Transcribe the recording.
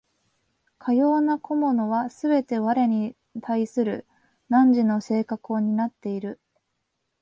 かような個物はすべて我に対する汝の性格を担っている。